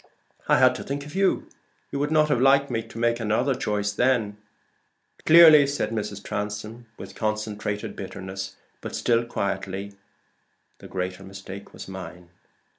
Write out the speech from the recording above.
"I had to think of you. You would not have liked me to make another choice then." "Clearly," said Mrs. Transome, with concentrated bitterness, but still quietly; "the greater mistake was mine."